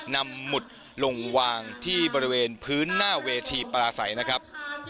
หมุดลงวางที่บริเวณพื้นหน้าเวทีปลาใสนะครับ